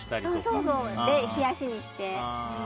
冷やしにして。